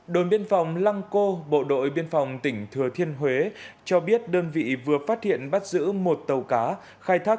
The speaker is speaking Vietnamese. đồn biên phòng lăng cô bộ đội biên phòng tỉnh thừa thiên huế cho biết đơn vị vừa phát hiện bắt giữ một tàu cá khai thác